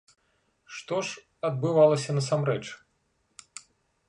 Што ж адбывалася насамрэч?